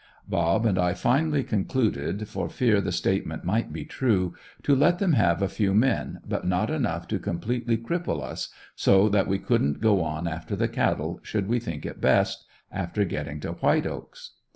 "Bob" and I finally concluded, for fear the statement might be true, to let them have a few men, but not enough to completely cripple us so that we couldn't go on after the cattle should we think it best, after getting to White Oaks.